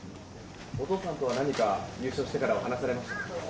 お父さんとは何か、優勝してからは話されましたか。